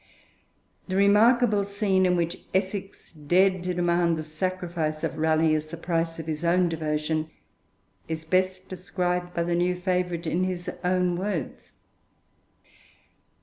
The remarkable scene in which Essex dared to demand the sacrifice of Raleigh as the price of his own devotion is best described by the new favourite in his own words.